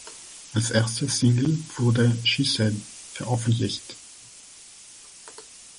Als erste Single wurde "she said" veröffentlicht.